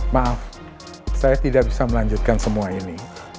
maaf saya tidak bisa melanjutkan semua ini